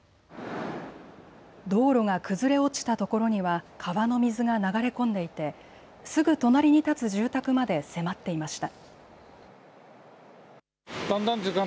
道路が崩れ落ちたところには川の水が流れ込んでいてすぐ隣に建つ住宅まで迫っていました。